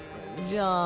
じゃあ。